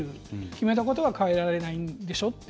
決めたことは変えられないんでしょって。